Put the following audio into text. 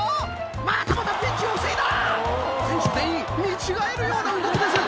またまたピンチを防いだ！